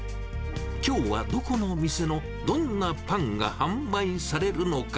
きょうはどこの店のどんなパンが販売されるのか。